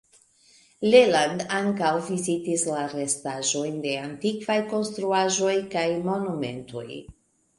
Leland ankaŭ vizitis la restaĵojn de antikvaj konstruaĵoj kaj monumentoj.